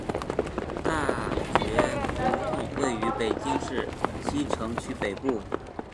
大觉胡同位于北京市西城区北部。